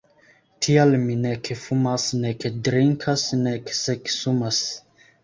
Tial mi nek fumas nek drinkas nek seksumas!